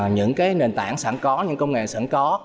những nền tảng sẵn có những công nghệ sẵn có